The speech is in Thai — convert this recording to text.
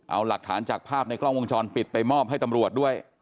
เอาหลักฐานจากภาพในกล้องวงจรปิดไปมอบให้ตำรวจด้วย